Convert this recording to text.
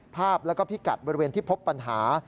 ภาพแล้วก็พิกัดบริเวณที่พบปัญหา